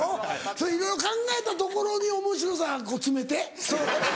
それいろいろ考えたところにおもしろさ詰めて！